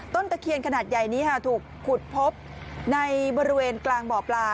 ตะเคียนขนาดใหญ่นี้ถูกขุดพบในบริเวณกลางบ่อปลา